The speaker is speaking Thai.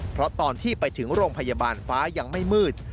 เพราะตอนที่ไปถึงโรงพยาบาลฟ้ายังไม่มืด